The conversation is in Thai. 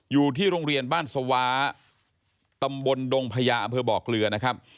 อยู่ที่โรงเรียนบ้านสวาตำบลดงพญาอำเภอบ่อเกลือนะครับ